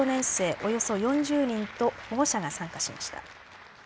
およそ４０人と保護者が参加しました。